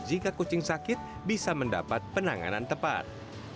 jika kucing sakit bisa mendapat penanganan tepat